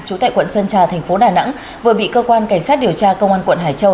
trú tại quận sơn trà thành phố đà nẵng vừa bị cơ quan cảnh sát điều tra công an quận hải châu